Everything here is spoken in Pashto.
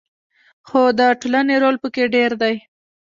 خو د ټولنې رول پکې ډیر دی.